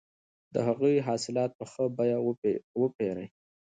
د هغوی حاصلات په ښه بیه وپېرئ.